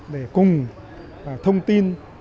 để cùng thông tin